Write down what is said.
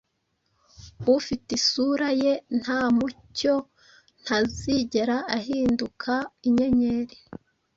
Ufite isura ye nta mucyo, ntazigera ahinduka inyenyeri.